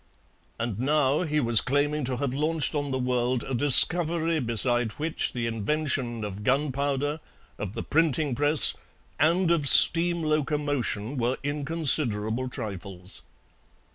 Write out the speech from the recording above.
And now he was claiming to have launched on the world a discovery beside which the invention of gunpowder, of the printing press, and of steam locomotion were inconsiderable trifles.